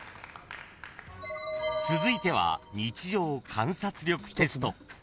［続いては日常観察力テスト］